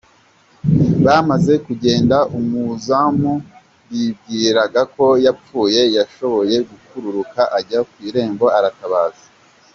Bamaze kugenda, umuzamu bibwiraga ko yapfuye yashoboye gukururuka ajya ku irembo aratabaza.